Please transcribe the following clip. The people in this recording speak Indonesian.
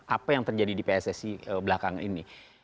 apa yang terjadi di pssi belakang ini